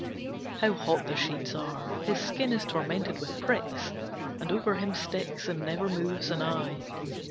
IV How hot the sheets are! His skin is tormented with pricks, and over him sticks, and never moves, an eye.